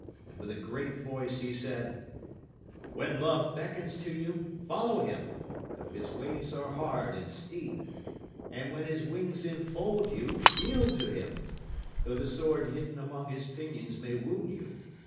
And with a great voice he said: When love beckons to you, follow him, Though his ways are hard and steep. And when his wings enfold you yield to him, Though the sword hidden among his pinions may wound you.